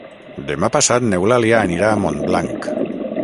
Demà passat n'Eulàlia anirà a Montblanc.